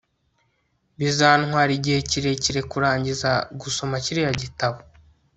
bizantwara igihe kirekire kurangiza gusoma kiriya gitabo